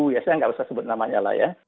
ya saya nggak usah sebut namanya lah ya